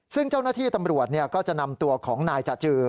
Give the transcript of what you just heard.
ซึ่งเจ้าหน้าที่ตำรวจก็จะนำตัวของนายจจือ